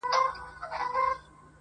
• مُلا سړی سو، اوس پر لاره د آدم راغلی.